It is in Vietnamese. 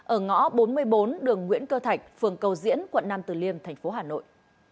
ở ngõ bốn mươi bốn đường nguyễn cơ thạch phường cầu diễn quận năm từ liêm thành phố hà nội